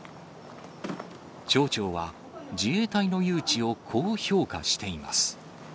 町長は、自衛隊の誘致をこう評価しています。